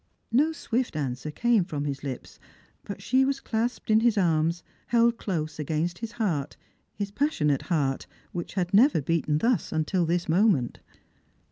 No swift answer came from his lips, but she was clasped in his arms, held close against his heart, his passionate heart, which had never beaten thus until this moment.